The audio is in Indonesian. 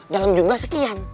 dalam jumlah sekian